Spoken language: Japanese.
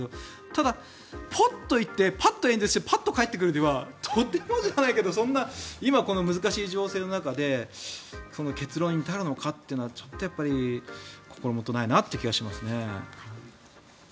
ただ、ポッと言ってパッと演説してパッと帰ってくるではそんな、今この難しい情勢の中で結論に至るのかというのはちょっとやっぱり心もとないなという気がしますね。